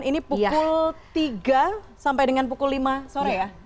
ini pukul tiga sampai dengan pukul lima sore ya